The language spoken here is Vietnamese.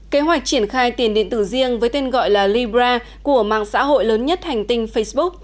kế hoạch triển khai tiền điện tử riêng với tên gọi là libra của mạng xã hội lớn nhất hành tinh facebook